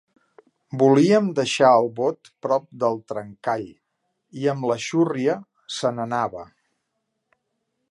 Volíem deixar el bot prop del trencall, i amb la xurria se n'anava.